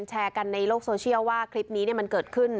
แชร์กันในโลกโซเชียลว่าคลิปนี้มันเกิดขึ้น